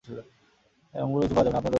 এরকম করে কিছু করা যাবে না আপনিও ঐ দলে?